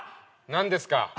何ですか？